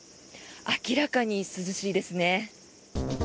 明らかに涼しいですね。